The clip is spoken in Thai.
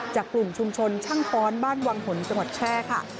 จากกลุ่มชุมชนชั่งพรบ้านวังหงษ์จังหวัดแช่ค่ะ